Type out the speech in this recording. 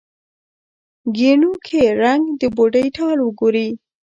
ګېڼو کې رنګ، د بوډۍ ټال وګورې